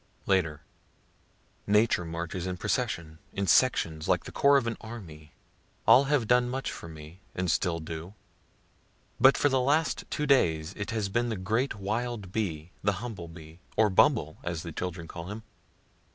Later. Nature marches in procession, in sections, like the corps of an army. All have done much for me, and still do. But for the last two days it has been the great wild bee, the humble bee, or "bumble," as the children call him.